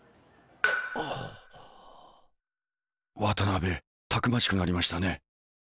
渡辺たくましくなりましたね。